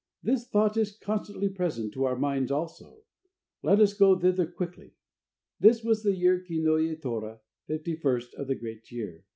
This thought is constantly present to our minds also. Let us go thither quickly." This was the year Kinoye Tora (51st) of the Great Year.